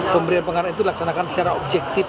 pembelian penghargaan itu dilaksanakan secara objektif